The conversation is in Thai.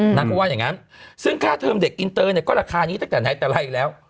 นางก็ว่าอย่างนั้นซึ่งค่าเทอมเด็กอินเตอร์เนี่ยก็ราคานี้ตั้งแต่ไหนแต่ไรแล้ว